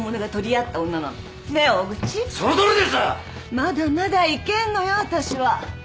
まだまだいけんのよあたしは。